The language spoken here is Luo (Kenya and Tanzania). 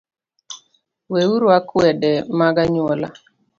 Weuru akwede mag anyuola